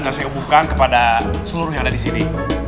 dan saya hubungkan kepada seluruh yang ada di sini